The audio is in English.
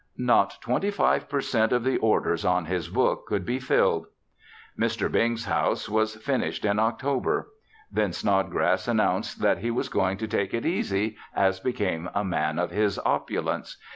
Not twenty five per cent. of the orders on his books could be filled. Mr. Bing's house was finished in October. Then Snodgrass announced that he was going to take it easy as became a man of his opulence.